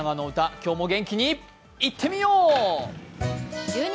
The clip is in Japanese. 今日も元気にいってみよう！